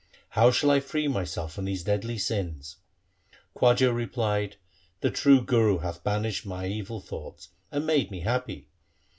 How shall I free myself from these deadly sins ?' Khwaja replied, 'The true Guru hath banished my evil thoughts, and made me happy.